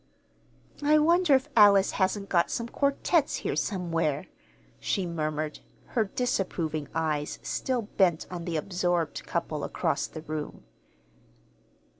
"I wonder if Alice hasn't got some quartets here somewhere," she murmured, her disapproving eyes still bent on the absorbed couple across the room.